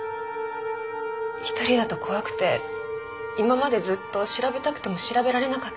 一人だと怖くて今までずっと調べたくても調べられなかったんです。